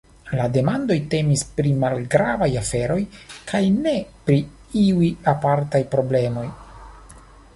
La demandoj temis pri malgravaj aferoj kaj ne pri iuj apartaj problemoj.